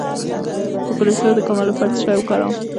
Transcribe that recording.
د کولیسټرول د کمولو لپاره څه شی وکاروم؟